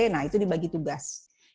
nah itu dibagi tugas